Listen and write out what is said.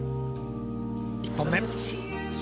１本目。